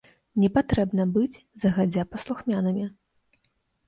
Не патрэбна быць загадзя паслухмянымі.